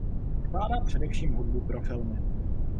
Skládá především hudbu pro filmy.